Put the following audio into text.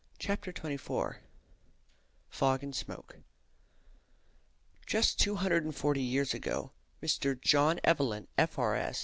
CHAPTER XXIV FOG AND SMOKE Just two hundred and forty years ago, Mr. John Evelyn, F.R.S.